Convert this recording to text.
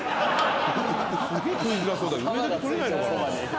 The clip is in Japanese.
すげぇ食いづらそうだけど上だけ取れないのかなぁ。